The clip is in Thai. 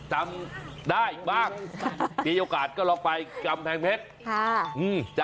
จำได้อีกบ้างมีโอกาสก็ลองไปกำแพงเพชร